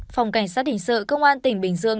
phòng cảnh sát hình sự công an tỉnh bình dương